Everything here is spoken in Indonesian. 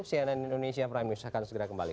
cnn indonesia prime news akan segera kembali